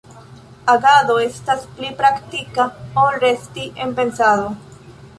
Agado estas pli praktika ol resti en pensado.